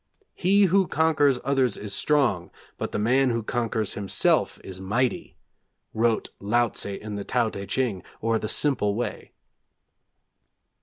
'He who conquers others is strong, but the man who conquers himself is mighty,' wrote Laotze in the Tao Teh Ch'ing, or 'The Simple Way.'